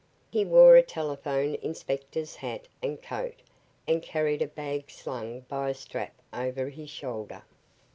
He wore a telephone inspector's hat and coat and carried a bag slung by a strap over his shoulder.